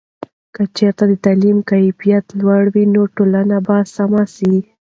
که چېرته د تعلیم کیفیت لوړ وي، نو ټولنه به سمه سي.